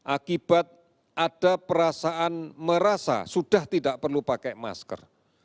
akibat ada perasaan merasa sudah tidak perlu pakai masker